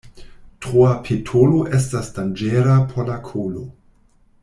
Troa petolo estas danĝera por la kolo.